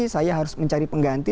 saya harus mencari pengganti